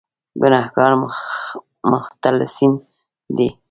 ګناهکار مختلسین دي.